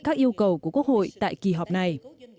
các yêu cầu của quốc hội tại kỳ họp này